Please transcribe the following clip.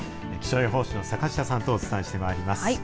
気象予報士の坂下さんとお伝えしてまいります。